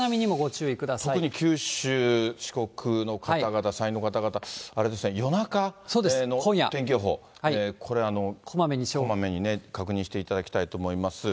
特に九州、四国の方々、山陰の方々、あれですね、夜中の天気予報、これ、こまめに確認していただきたいと思います。